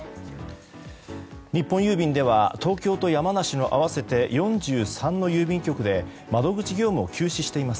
日本郵便では東京と山梨の合わせて４３の郵便局で窓口業務を休止しています。